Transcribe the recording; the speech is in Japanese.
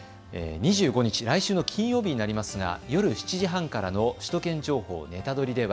２５日、来週の金曜日になりますが夜７時半からの首都圏情報ネタドリ！